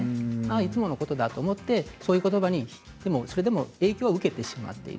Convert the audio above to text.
いつものことだと思ってそういうことばにそれでも影響を受けてしまっている。